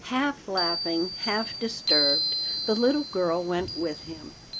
Half laughing, half disturbed, the little girl went with him.